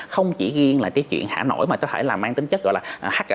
không chỉ riêng là cái chuyện thả nội mà có thể là mang tính chất gọi là